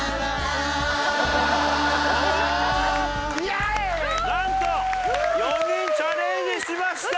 なんと４人チャレンジしました！